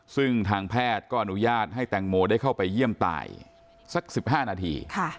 ซึ่งทางแพทย์ก็อนุญาตให้แตงโมได้เข้าไปเยี่ยมตายสัก๑๕นาที